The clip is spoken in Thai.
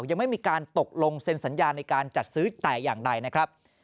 ยังไม่มีการตกลงเซ็นสัญญาในการจัดซื้อแต่อย่างใดนะครับ